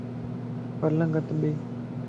پلنگ ات ٻي